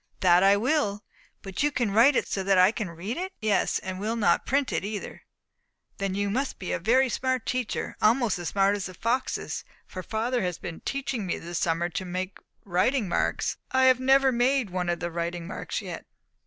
"That I will. But can you write it so that I can read it?" "Yes, and will not print it either." "Well, then you must be a very smart teacher, almost as smart as the foxes; for father has been teaching me this summer to make writing marks, but I have never made one of the writing marks yet."